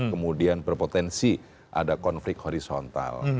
kemudian berpotensi ada konflik horizontal